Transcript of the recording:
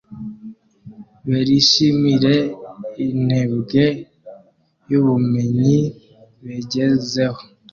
berishimire intembwe y’ubumenyi begezeho|